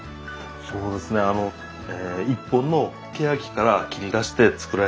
そうですねあの一本のけやきから切り出して作られた手すりなんです。